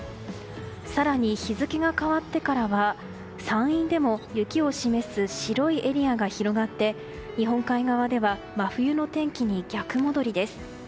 更に日付が変わってからは山陰でも、雪を示す白いエリアが広がって日本海側では真冬の天気に逆戻りです。